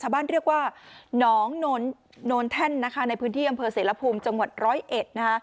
บ้านเรียกว่าน้องโน้นแท่นในพื้นที่อำเภอเสร็จละภูมิจังหวัดร้อยเอ็ด